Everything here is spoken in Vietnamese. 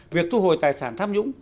việc thu hồi tài sản tham nhũng